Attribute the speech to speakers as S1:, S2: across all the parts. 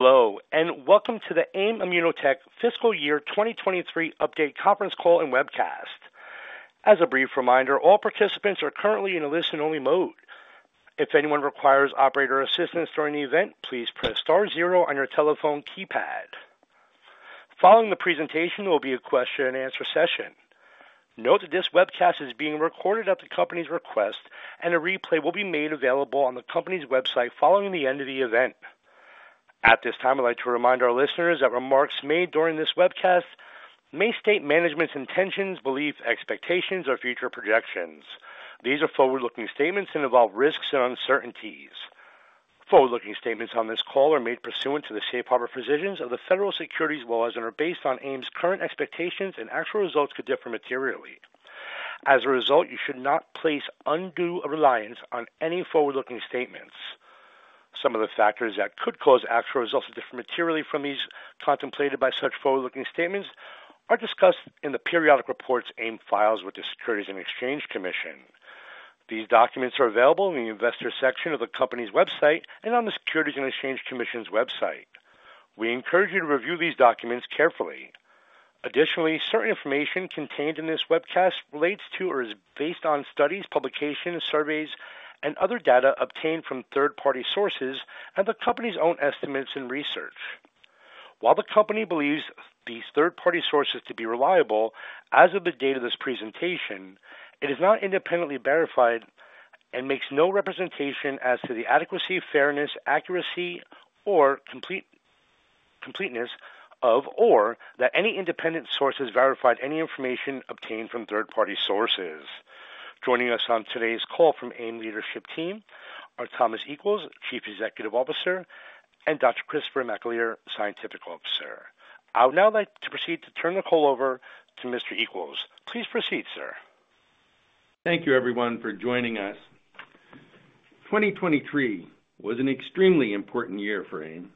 S1: Hello, and welcome to the AIM ImmunoTech Fiscal Year 2023 Update Conference Call and Webcast. As a brief reminder, all participants are currently in a listen-only mode. If anyone requires operator assistance during the event, please press star zero on your telephone keypad. Following the presentation, there will be a question-and-answer session. Note that this webcast is being recorded at the company's request, and a replay will be made available on the company's website following the end of the event. At this time, I'd like to remind our listeners that remarks made during this webcast may state management's intentions, beliefs, expectations, or future projections. These are forward-looking statements and involve risks and uncertainties. Forward-looking statements on this call are made pursuant to the safe harbor provisions of the Federal Securities laws and are based on AIM's current expectations, and actual results could differ materially. As a result, you should not place undue reliance on any forward-looking statements. Some of the factors that could cause actual results to differ materially from these contemplated by such forward-looking statements are discussed in the periodic reports AIM files with the Securities and Exchange Commission. These documents are available in the investor section of the company's website and on the Securities and Exchange Commission's website. We encourage you to review these documents carefully. Additionally, certain information contained in this webcast relates to or is based on studies, publications, surveys, and other data obtained from third-party sources and the company's own estimates and research. While the company believes these third-party sources to be reliable as of the date of this presentation, it is not independently verified and makes no representation as to the adequacy, fairness, accuracy, or completeness of, or that any independent sources verified any information obtained from third-party sources. Joining us on today's call from AIM leadership team are Thomas Equels, Chief Executive Officer, and Dr. Christopher McAleer, Scientific Officer. I would now like to proceed to turn the call over to Mr. Equels. Please proceed, sir.
S2: Thank you, everyone, for joining us. 2023 was an extremely important year for AIM.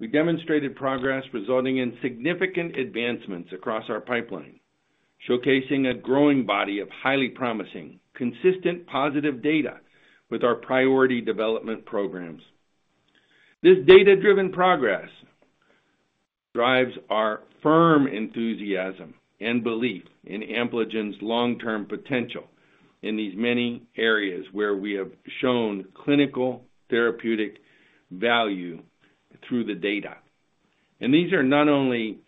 S2: We demonstrated progress resulting in significant advancements across our pipeline, showcasing a growing body of highly promising, consistent, positive data with our priority development programs. This data-driven progress drives our firm enthusiasm and belief in Ampligen's long-term potential in these many areas where we have shown clinical therapeutic value through the data. And these are not only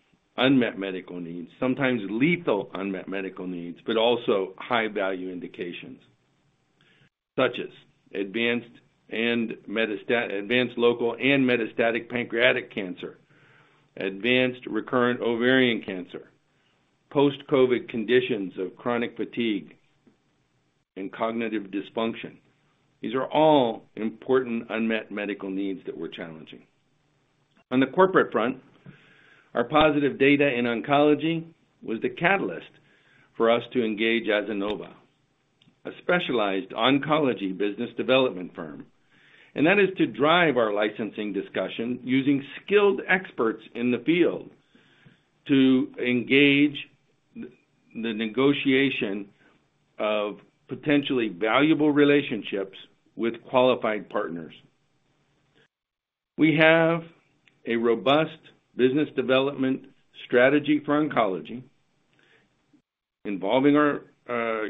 S2: unmet medical needs, sometimes lethal unmet medical needs, but also high-value indications, such as advanced local and metastatic pancreatic cancer, advanced recurrent ovarian cancer, post-COVID conditions of chronic fatigue and cognitive dysfunction. These are all important unmet medical needs that we're challenging. On the corporate front, our positive data in oncology was the catalyst for us to engage Azenova, a specialized oncology business development firm, and that is to drive our licensing discussion using skilled experts in the field to engage the negotiation of potentially valuable relationships with qualified partners. We have a robust business development strategy for oncology involving our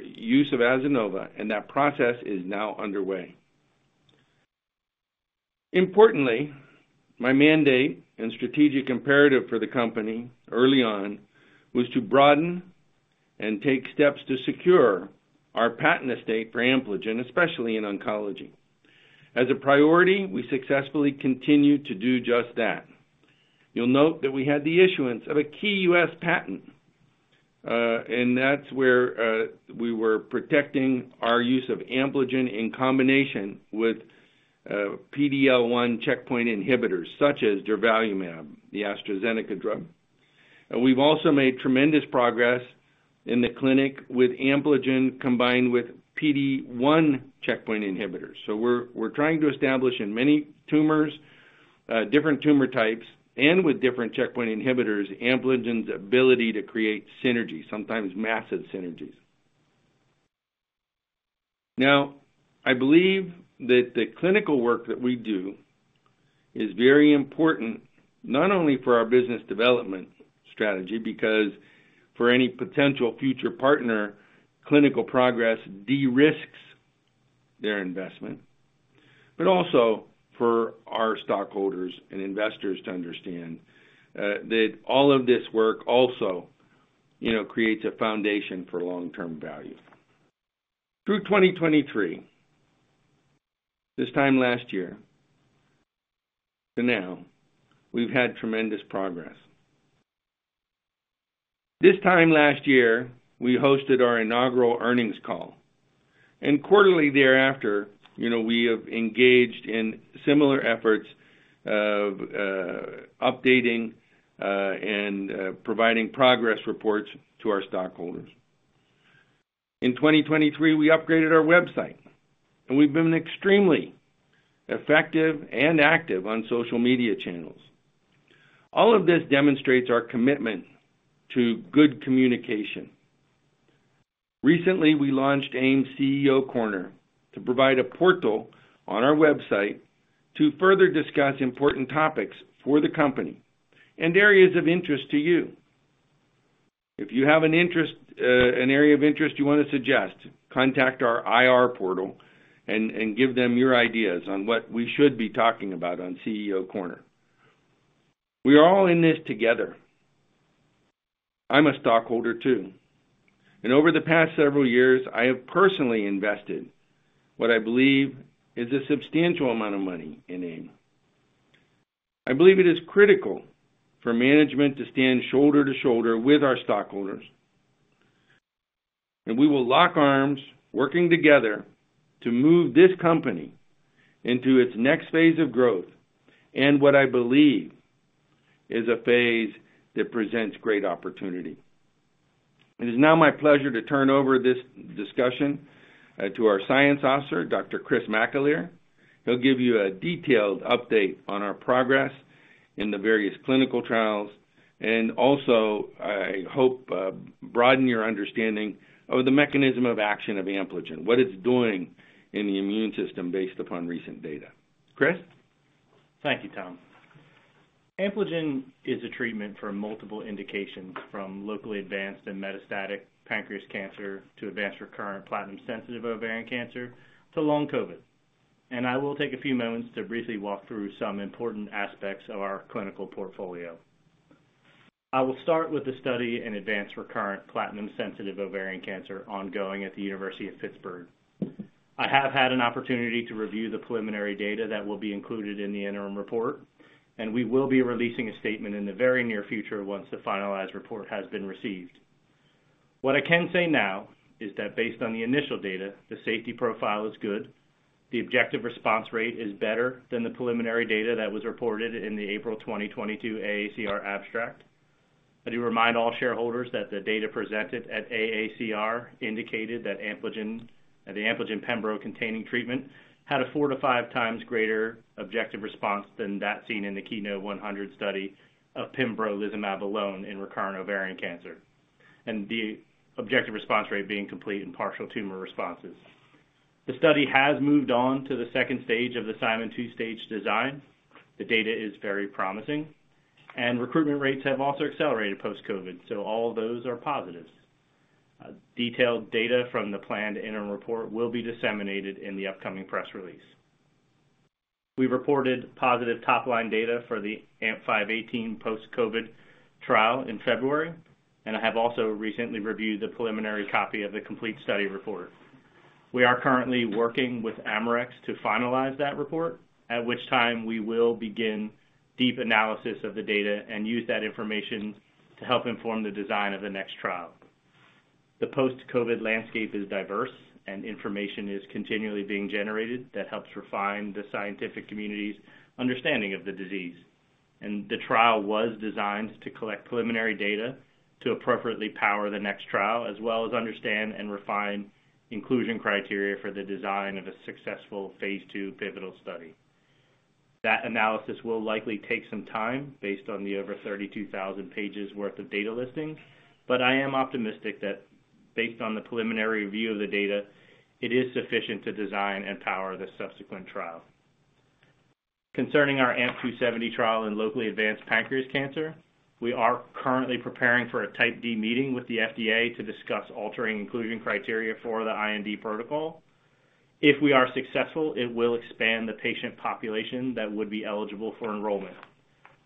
S2: use of Azenova, and that process is now underway. Importantly, my mandate and strategic imperative for the company early on was to broaden and take steps to secure our patent estate for Ampligen, especially in oncology. As a priority, we successfully continued to do just that. You'll note that we had the issuance of a key U.S. patent, and that's where we were protecting our use of Ampligen in combination with PD-L1 checkpoint inhibitors, such as durvalumab, the AstraZeneca drug. And we've also made tremendous progress in the clinic with Ampligen, combined with PD-1 checkpoint inhibitors. So we're trying to establish in many tumors, different tumor types and with different checkpoint inhibitors, Ampligen's ability to create synergy, sometimes massive synergies. Now, I believe that the clinical work that we do is very important, not only for our business development strategy, because for any potential future partner, clinical progress de-risks their investment, but also for our stockholders and investors to understand that all of this work also, you know, creates a foundation for long-term value. Through 2023, this time last year to now, we've had tremendous progress. This time last year, we hosted our inaugural earnings call, and quarterly thereafter, you know, we have engaged in similar efforts of updating and providing progress reports to our stockholders. In 2023, we upgraded our website, and we've been extremely effective and active on social media channels. All of this demonstrates our commitment to good communication. Recently, we launched AIM's CEO Corner to provide a portal on our website to further discuss important topics for the company and areas of interest to you. If you have an interest, an area of interest you wanna suggest, contact our IR portal and give them your ideas on what we should be talking about on CEO Corner. We are all in this together. I'm a stockholder, too, and over the past several years, I have personally invested what I believe is a substantial amount of money in AIM. I believe it is critical for management to stand shoulder to shoulder with our stockholders, and we will lock arms, working together to move this company into its next phase of growth, and what I believe is a phase that presents great opportunity. It is now my pleasure to turn over this discussion to our Science Officer, Dr. Chris McAleer. He'll give you a detailed update on our progress in the various clinical trials, and also, I hope, broaden your understanding of the mechanism of action of Ampligen, what it's doing in the immune system based upon recent data. Chris?
S3: Thank you, Tom. Ampligen is a treatment for multiple indications, from locally advanced and metastatic pancreatic cancer to advanced recurrent platinum-sensitive ovarian cancer to long COVID, and I will take a few moments to briefly walk through some important aspects of our clinical portfolio. I will start with the study in advanced recurrent platinum-sensitive ovarian cancer ongoing at the University of Pittsburgh. I have had an opportunity to review the preliminary data that will be included in the interim report, and we will be releasing a statement in the very near future once the finalized report has been received. What I can say now is that based on the initial data, the safety profile is good. The objective response rate is better than the preliminary data that was reported in the April 2022 AACR abstract. I do remind all shareholders that the data presented at AACR indicated that Ampligen, the Ampligen pembro containing treatment, had a 4-5 times greater objective response than that seen in the KEYNOTE-100 study of pembrolizumab alone in recurrent ovarian cancer, and the objective response rate being complete and partial tumor responses. The study has moved on to the second stage of the Simon two-stage design. The data is very promising, and recruitment rates have also accelerated post-COVID, so all of those are positives. Detailed data from the planned interim report will be disseminated in the upcoming press release. We reported positive top-line data for the AMP-518 post-COVID trial in February, and I have also recently reviewed the preliminary copy of the complete study report. We are currently working with Amarex to finalize that report, at which time we will begin deep analysis of the data and use that information to help inform the design of the next trial. The post-COVID landscape is diverse, and information is continually being generated that helps refine the scientific community's understanding of the disease. The trial was designed to collect preliminary data to appropriately power the next trial, as well as understand and refine inclusion criteria for the design of a successful Phase 2 pivotal study. That analysis will likely take some time based on the over 32,000 pages worth of data listing, but I am optimistic that based on the preliminary review of the data, it is sufficient to design and power the subsequent trial. Concerning our AMP-270 trial in locally advanced pancreas cancer, we are currently preparing for a Type D meeting with the FDA to discuss altering inclusion criteria for the IND protocol. If we are successful, it will expand the patient population that would be eligible for enrollment.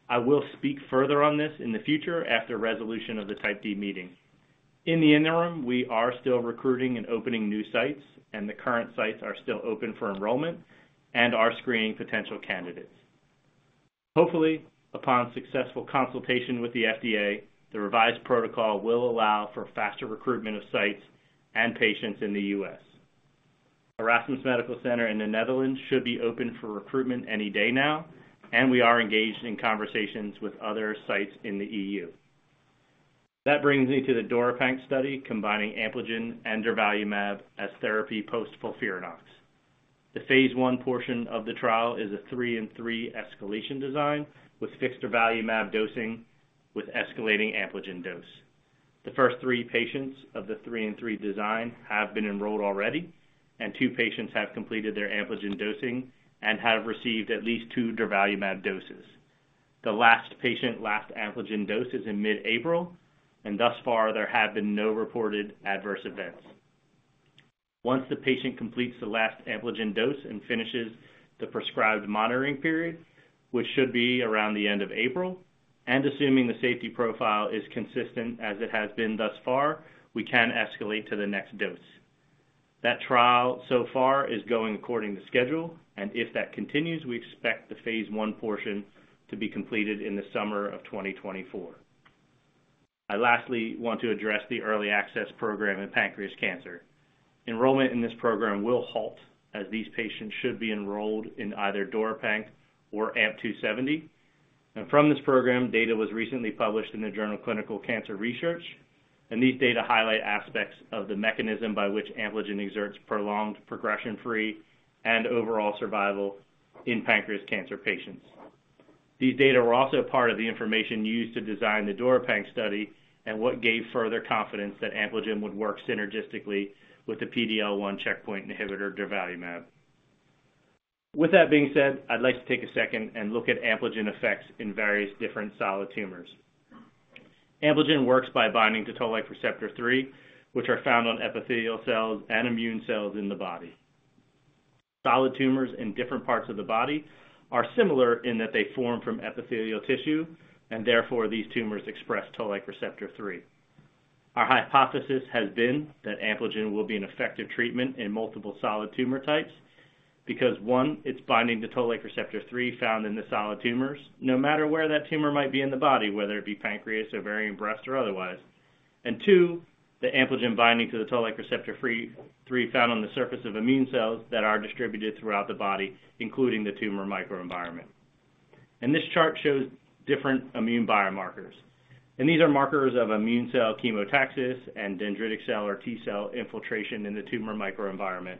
S3: I will speak further on this in the future after resolution of the Type D meeting. In the interim, we are still recruiting and opening new sites, and the current sites are still open for enrollment and are screening potential candidates. Hopefully, upon successful consultation with the FDA, the revised protocol will allow for faster recruitment of sites and patients in the U.S. Erasmus Medical Center in the Netherlands should be open for recruitment any day now, and we are engaged in conversations with other sites in the EU. That brings me to the DURIPANC study, combining Ampligen and durvalumab as therapy post FOLFIRINOX. The phase 1 portion of the trial is a 3-in-3 escalation design, with fixed durvalumab dosing with escalating Ampligen dose. The first 3 patients of the 3-in-3 design have been enrolled already, and 2 patients have completed their Ampligen dosing and have received at least 2 durvalumab doses. The last patient, last Ampligen dose, is in mid-April, and thus far, there have been no reported adverse events. Once the patient completes the last Ampligen dose and finishes the prescribed monitoring period, which should be around the end of April, and assuming the safety profile is consistent as it has been thus far, we can escalate to the next dose. That trial so far is going according to schedule, and if that continues, we expect the phase 1 portion to be completed in the summer of 2024. I lastly want to address the early access program in pancreatic cancer. Enrollment in this program will halt, as these patients should be enrolled in either DURIPANC or AMP-270. From this program, data was recently published in Clinical Cancer Research, and these data highlight aspects of the mechanism by which Ampligen exerts prolonged progression-free and overall survival in pancreatic cancer patients. These data were also part of the information used to design the DURIPANC study and what gave further confidence that Ampligen would work synergistically with the PD-L1 checkpoint inhibitor, durvalumab. With that being said, I'd like to take a second and look at Ampligen effects in various different solid tumors. Ampligen works by binding to toll-like receptor 3, which are found on epithelial cells and immune cells in the body. Solid tumors in different parts of the body are similar in that they form from epithelial tissue, and therefore, these tumors express toll-like receptor 3. Our hypothesis has been that Ampligen will be an effective treatment in multiple solid tumor types because, one, it's binding to toll-like receptor 3 found in the solid tumors, no matter where that tumor might be in the body, whether it be pancreas, ovarian, breast, or otherwise. And two, the Ampligen binding to the toll-like receptor 3, 3 found on the surface of immune cells that are distributed throughout the body, including the tumor microenvironment. This chart shows different immune biomarkers, and these are markers of immune cell chemotaxis and dendritic cell or T cell infiltration in the tumor microenvironment.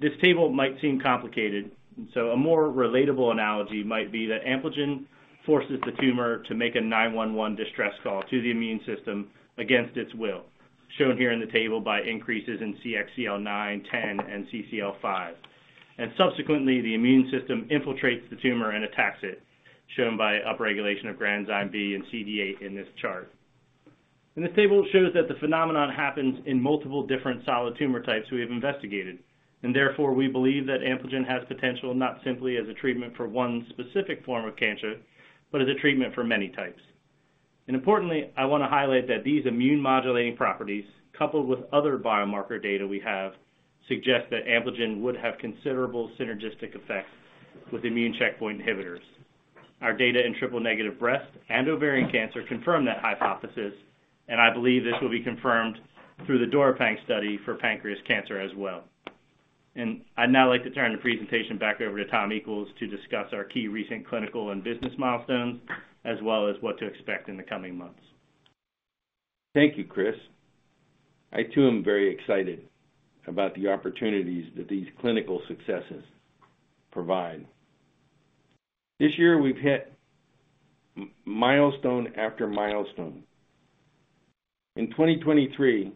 S3: This table might seem complicated, and so a more relatable analogy might be that Ampligen forces the tumor to make a 911 distress call to the immune system against its will, shown here in the table by increases in CXCL9, CXCL10, and CCL5. Subsequently, the immune system infiltrates the tumor and attacks it, shown by upregulation of Granzyme B and CD8 in this chart. This table shows that the phenomenon happens in multiple different solid tumor types we have investigated, and therefore, we believe that Ampligen has potential not simply as a treatment for one specific form of cancer, but as a treatment for many types. Importantly, I want to highlight that these immune-modulating properties, coupled with other biomarker data we have, suggest that Ampligen would have considerable synergistic effects with immune checkpoint inhibitors. Our data in triple-negative breast and ovarian cancer confirm that hypothesis, and I believe this will be confirmed through the DURIPANC study for pancreatic cancer as well. I'd now like to turn the presentation back over to Tom Equels to discuss our key recent clinical and business milestones, as well as what to expect in the coming months.
S2: Thank you, Chris. I, too, am very excited about the opportunities that these clinical successes provide. This year, we've hit milestone after milestone. In 2023,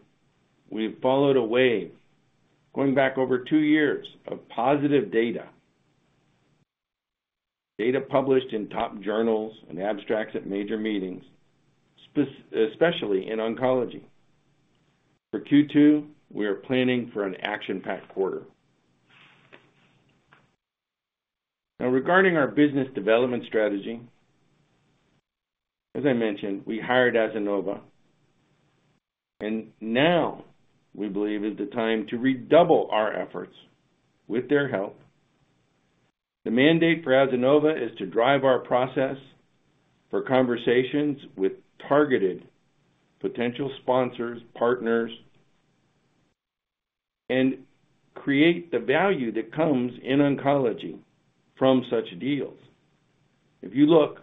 S2: we've followed a wave going back over two years of positive data, data published in top journals and abstracts at major meetings, especially in oncology. For Q2, we are planning for an action-packed quarter. Now, regarding our business development strategy, as I mentioned, we hired Azinova, and now we believe is the time to redouble our efforts with their help. The mandate for Azinova is to drive our process for conversations with targeted potential sponsors, partners, and create the value that comes in oncology from such deals. If you look,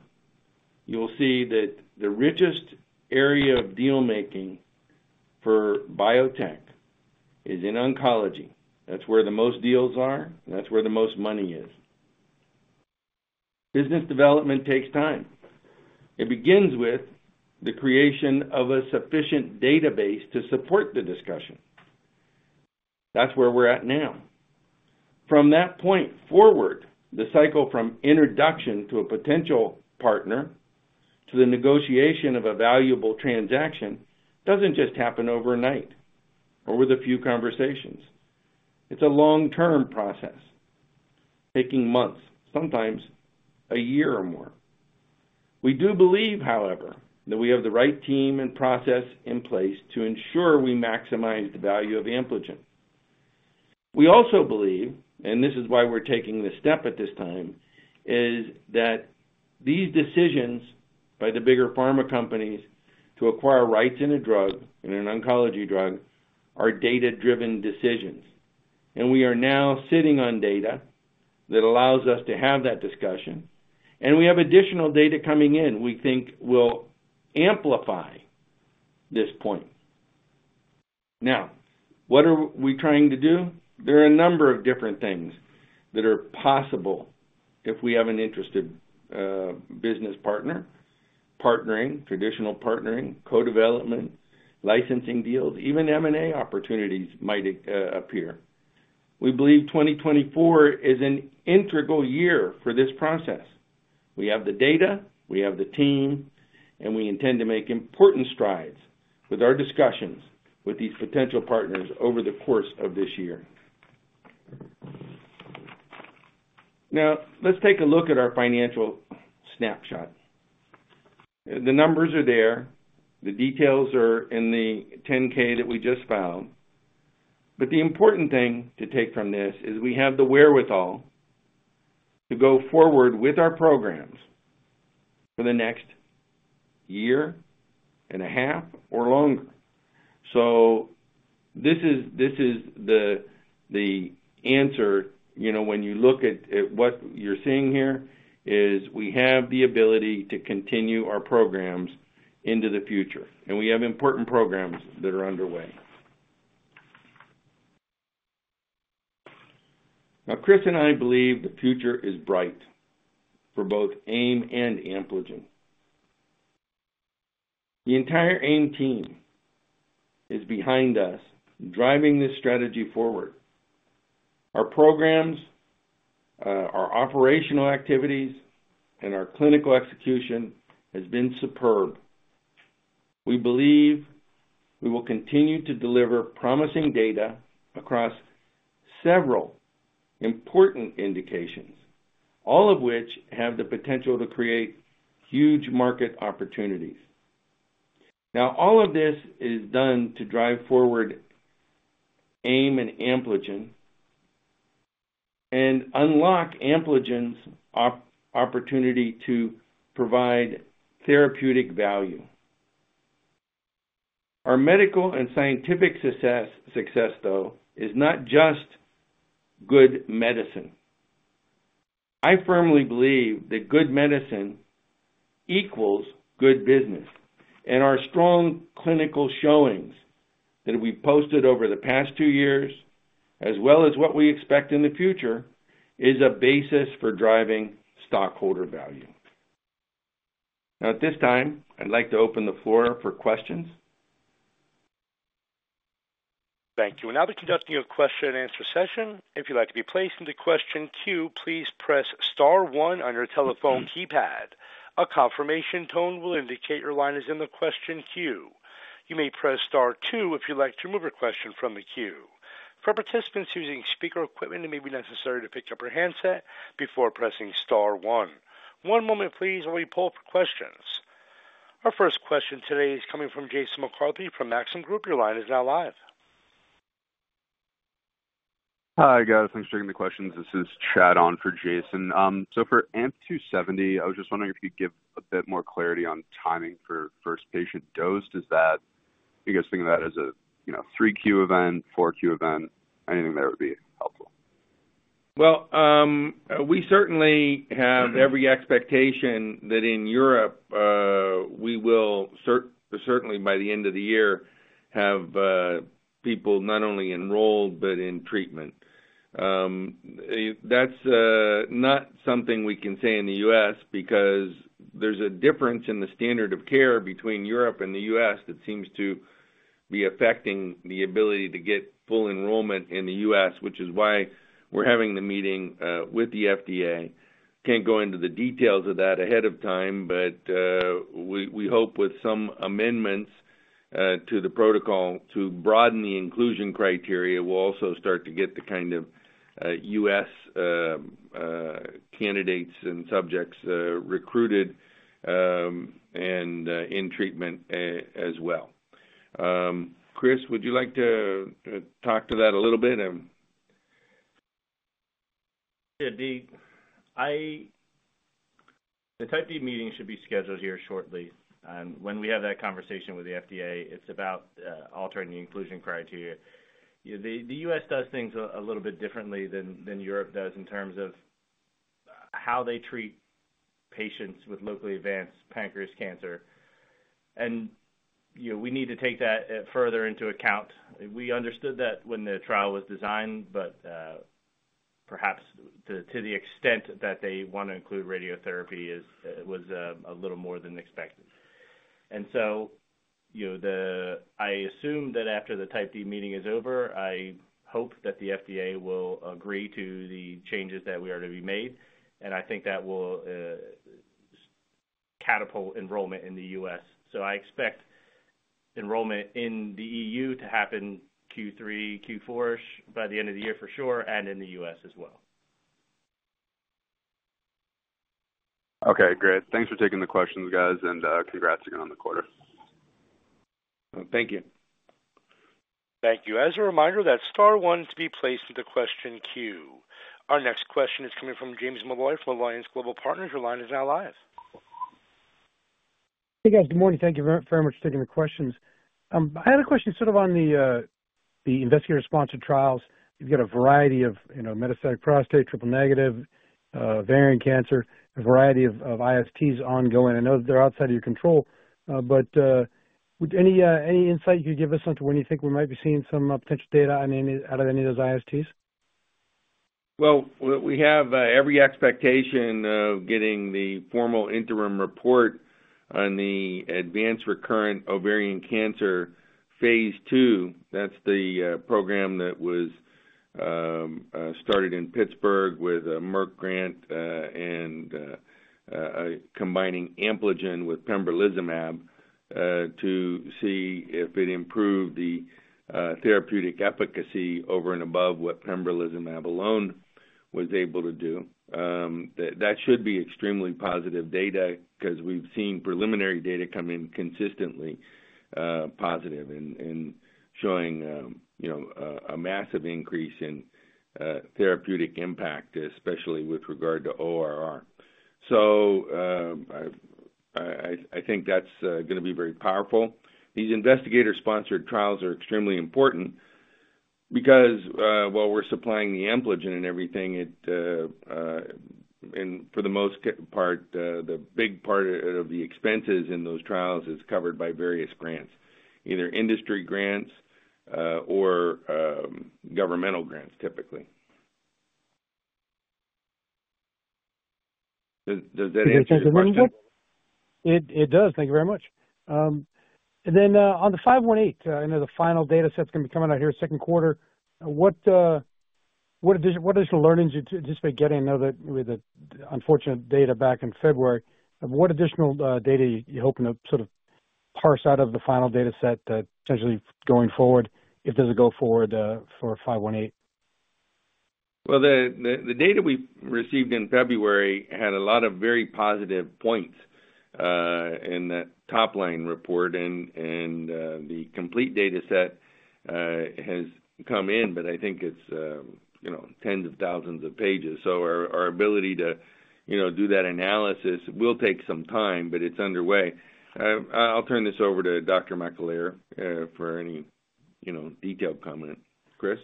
S2: you'll see that the richest area of deal-making for biotech is in oncology. That's where the most deals are, and that's where the most money is. Business development takes time. It begins with the creation of a sufficient database to support the discussion. That's where we're at now. From that point forward, the cycle from introduction to a potential partner to the negotiation of a valuable transaction doesn't just happen overnight or with a few conversations. It's a long-term process, taking months, sometimes a year or more. We do believe, however, that we have the right team and process in place to ensure we maximize the value of Ampligen. We also believe, and this is why we're taking this step at this time, is that these decisions by the bigger pharma companies to acquire rights in a drug, in an oncology drug, are data-driven decisions. And we are now sitting on data that allows us to have that discussion, and we have additional data coming in we think will amplify this point. Now, what are we trying to do? There are a number of different things that are possible if we have an interested business partner, partnering, traditional partnering, co-development, licensing deals, even M&A opportunities might appear. We believe 2024 is an integral year for this process. We have the data, we have the team, and we intend to make important strides with our discussions with these potential partners over the course of this year. Now, let's take a look at our financial snapshot. The numbers are there, the details are in the 10-K that we just filed. But the important thing to take from this is we have the wherewithal to go forward with our programs for the next year and a half or longer. So this is, this is the, the answer. You know, when you look at what you're seeing here, is we have the ability to continue our programs into the future, and we have important programs that are underway.... Now, Chris and I believe the future is bright for both AIM and Ampligen. The entire AIM team is behind us, driving this strategy forward. Our programs, our operational activities, and our clinical execution has been superb. We believe we will continue to deliver promising data across several important indications, all of which have the potential to create huge market opportunities. Now, all of this is done to drive forward AIM and Ampligen and unlock Ampligen's opportunity to provide therapeutic value. Our medical and scientific success, success, though, is not just good medicine. I firmly believe that good medicine equals good business, and our strong clinical showings that we've posted over the past two years, as well as what we expect in the future, is a basis for driving stockholder value. Now, at this time, I'd like to open the floor for questions.
S1: Thank you. We'll now be conducting a question-and-answer session. If you'd like to be placed into question queue, please press star one on your telephone keypad. A confirmation tone will indicate your line is in the question queue. You may press star two if you'd like to remove your question from the queue. For participants using speaker equipment, it may be necessary to pick up your handset before pressing star one. One moment please, while we pull for questions. Our first question today is coming from Jason McCarthy from Maxim Group. Your line is now live.
S4: Hi, guys. Thanks for taking the questions. This is Chad on for Jason. So, for AMP-270, I was just wondering if you could give a bit more clarity on timing for first patient dosed. Is that... Do you guys think of that as a, you know, three-Q event, four-Q event? Anything that would be helpful.
S2: Well, we certainly have every expectation that in Europe, we will certainly by the end of the year have people not only enrolled but in treatment. That's not something we can say in the U.S. because there's a difference in the standard of care between Europe and the U.S. that seems to be affecting the ability to get full enrollment in the U.S., which is why we're having the meeting with the FDA. Can't go into the details of that ahead of time, but we hope with some amendments to the protocol to broaden the inclusion criteria, we'll also start to get the kind of U.S. candidates and subjects recruited and in treatment as well. Chris, would you like to talk to that a little bit and-
S3: Yeah, Dee, the Type D meeting should be scheduled here shortly, and when we have that conversation with the FDA, it's about altering the inclusion criteria. The U.S. does things a little bit differently than Europe does in terms of how they treat patients with locally advanced pancreatic cancer. And, you know, we need to take that further into account. We understood that when the trial was designed, but perhaps to the extent that they want to include radiotherapy is a little more than expected. And so, you know, I assume that after the Type D meeting is over, I hope that the FDA will agree to the changes that we are to be made, and I think that will catapult enrollment in the U.S. I expect enrollment in the E.U. to happen Q3, Q4-ish, by the end of the year for sure, and in the U.S. as well.
S4: Okay, great. Thanks for taking the questions, guys, and congrats again on the quarter.
S2: Thank you.
S1: Thank you. As a reminder, that's star one to be placed in the question queue. Our next question is coming from James Molloy from Alliance Global Partners. Your line is now live.
S5: Hey, guys. Good morning. Thank you very, very much for taking the questions. I had a question sort of on the investigator-sponsored trials. You've got a variety of, you know, metastatic prostate, triple-negative ovarian cancer, a variety of ISTs ongoing. I know they're outside of your control, but would any insight you could give us into when you think we might be seeing some potential data on any out of any of those ISTs?
S2: Well, we have every expectation of getting the formal interim report on the advanced recurrent ovarian cancer phase 2. That's the program that was started in Pittsburgh with a Merck grant, and combining Ampligen with Pembrolizumab, to see if it improved the therapeutic efficacy over and above what Pembrolizumab alone was able to do. That should be extremely positive data because we've seen preliminary data come in consistently positive and showing you know, a massive increase in therapeutic impact, especially with regard to ORR. So, I think that's gonna be very powerful. These investigator-sponsored trials are extremely important because while we're supplying the Ampligen and everything, it... For the most part, the big part of the expenses in those trials is covered by various grants, either industry grants, or governmental grants, typically. Does that answer your question?
S5: It does. Thank you very much. And then, on the 518, I know the final data set is gonna be coming out here second quarter. What additional learnings you just been getting, I know that with the unfortunate data back in February, what additional data are you hoping to sort of parse out of the final data set that potentially going forward, if does it go forward, for 518?
S2: Well, the data we received in February had a lot of very positive points in that top-line report. The complete data set has come in, but I think it's, you know, tens of thousands of pages. So our ability to, you know, do that analysis will take some time, but it's underway. I'll turn this over to Dr. McAleer for any, you know, detailed comment. Chris?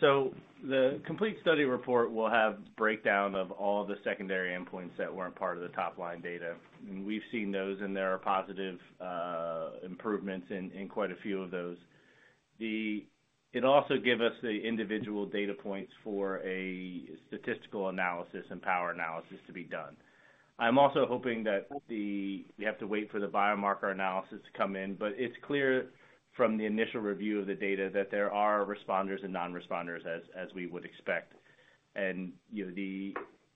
S3: So the complete study report will have breakdown of all the secondary endpoints that weren't part of the top-line data, and we've seen those, and there are positive improvements in quite a few of those. It also give us the individual data points for a statistical analysis and power analysis to be done. I'm also hoping that we have to wait for the biomarker analysis to come in, but it's clear from the initial review of the data that there are responders and non-responders, as we would expect. And, you know, the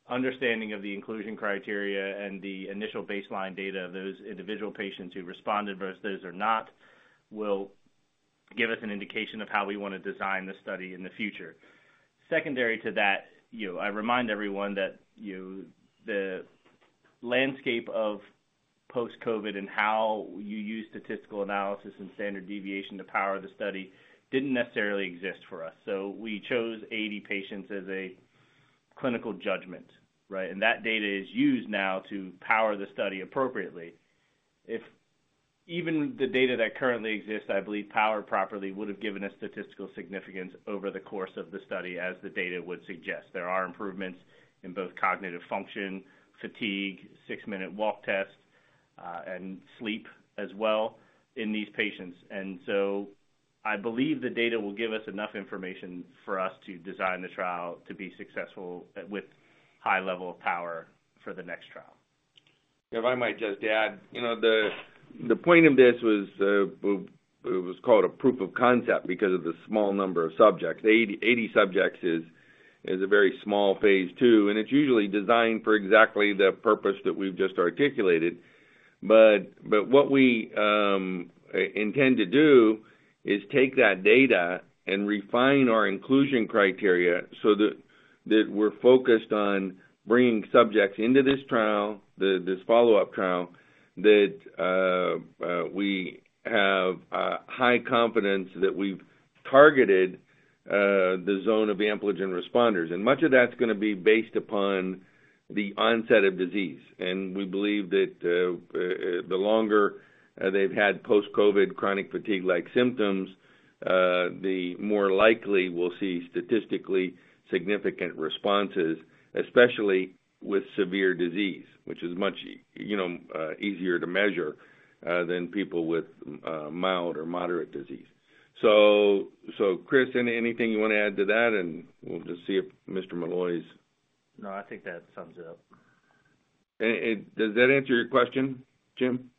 S3: understanding of the inclusion criteria and the initial baseline data of those individual patients who responded versus or not, will give us an indication of how we wanna design the study in the future. Secondary to that, you know, I remind everyone that, you, the landscape of post-COVID and how you use statistical analysis and standard deviation to power the study didn't necessarily exist for us. So we chose 80 patients as a clinical judgment, right? And that data is used now to power the study appropriately. If even the data that currently exists, I believe, powered properly, would have given us statistical significance over the course of the study, as the data would suggest. There are improvements in both cognitive function, fatigue, six-minute walk test, and sleep as well in these patients. And so I believe the data will give us enough information for us to design the trial to be successful at with high level of power for the next trial.
S2: If I might just add, you know, the point of this was, it was called a proof of concept because of the small number of subjects. 80 subjects is a very small phase 2, and it's usually designed for exactly the purpose that we've just articulated. But what we intend to do is take that data and refine our inclusion criteria so that we're focused on bringing subjects into this trial, this follow-up trial, that we have high confidence that we've targeted the zone of Ampligen responders. And much of that's gonna be based upon the onset of disease, and we believe that, the longer they've had post-COVID chronic fatigue-like symptoms, the more likely we'll see statistically significant responses, especially with severe disease, which is much, you know, easier to measure, than people with, mild or moderate disease. So, Chris, anything you wanna add to that? And we'll just see if Mr. Molloy's-
S3: No, I think that sums it up.
S2: And does that answer your question, Jim?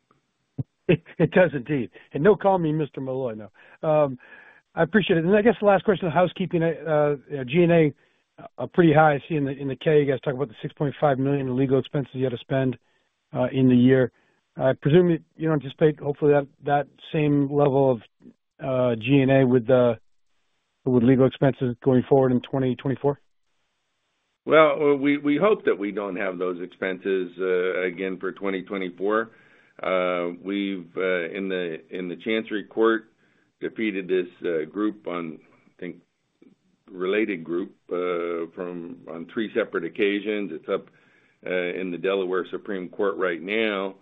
S5: It does, indeed. And no calling me Mr. Malloy, now. I appreciate it. And I guess the last question, housekeeping, G&A, pretty high. I see in the, in the K, you guys talking about the $6.5 million in legal expenses you had to spend, in the year. I presume you don't anticipate, hopefully, that, that same level of G&A with legal expenses going forward in 2024?
S2: Well, we hope that we don't have those expenses again for 2024. We've, in the Chancery Court, defeated this group on, I think, related group from on three separate occasions. It's up in the Delaware Supreme Court right now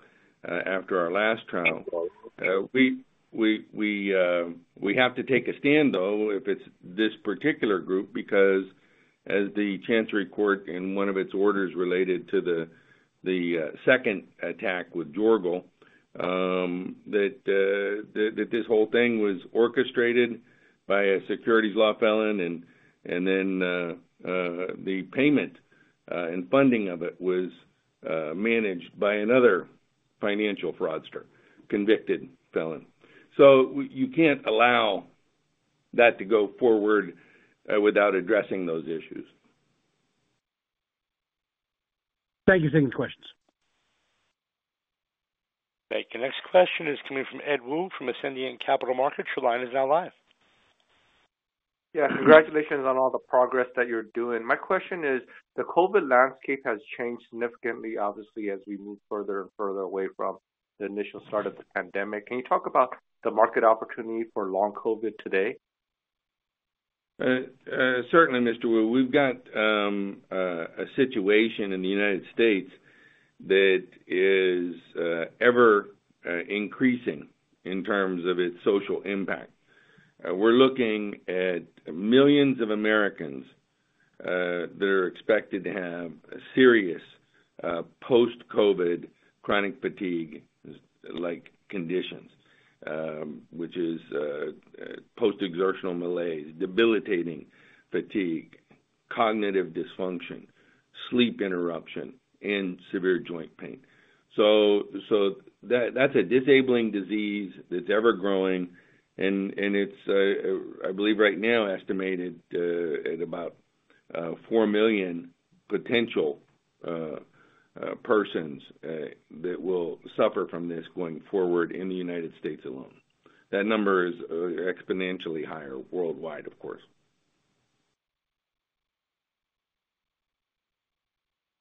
S2: after our last trial. We have to take a stand, though, if it's this particular group, because as the Chancery Court, in one of its orders related to the second attack with Jorgl, that this whole thing was orchestrated by a securities law felon, and then the payment and funding of it was managed by another financial fraudster, convicted felon. So you can't allow that to go forward without addressing those issues.
S5: Thank you. Thank you for the questions.
S1: Thank you. Next question is coming from Ed Woo, from Ascendiant Capital Markets. Your line is now live.
S6: Yeah. Congratulations on all the progress that you're doing. My question is: the COVID landscape has changed significantly, obviously, as we move further and further away from the initial start of the pandemic. Can you talk about the market opportunity for long COVID today?
S2: Certainly, Mr. Woo. We've got a situation in the United States that is ever increasing in terms of its social impact. We're looking at millions of Americans that are expected to have serious post-COVID chronic fatigue-like conditions, which is post-exertional malaise, debilitating fatigue, cognitive dysfunction, sleep interruption, and severe joint pain. So that that's a disabling disease that's ever-growing, and it's I believe right now estimated at about 4 million potential persons that will suffer from this going forward in the United States alone. That number is exponentially higher worldwide, of course.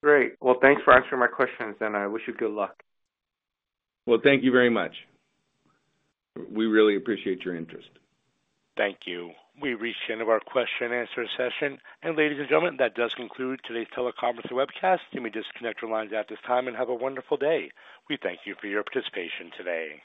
S6: Great! Well, thanks for answering my questions, and I wish you good luck.
S2: Well, thank you very much. We really appreciate your interest.
S1: Thank you. We've reached the end of our question and answer session. Ladies and gentlemen, that does conclude today's teleconference and webcast. You may disconnect your lines at this time and have a wonderful day. We thank you for your participation today.